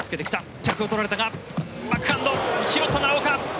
逆を取られたがバックハンド拾った奈良岡。